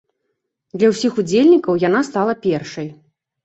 Для ўсіх удзельнікаў яна стала першай.